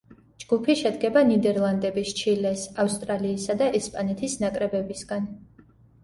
ჯგუფი შედგება, ნიდერლანდების, ჩილეს, ავსტრალიისა და ესპანეთის ნაკრებებისგან.